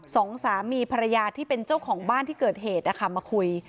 สองสามีภรรยาที่เป็นเจ้าของบ้านที่เกิดเหตุนะคะมาคุย